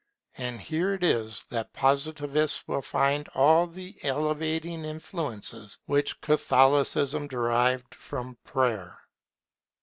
And here it is that Positivists will find all the elevating influences which Catholicism derived from Prayer.